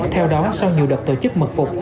theo đó sau nhiều đợt tổ chức mật phục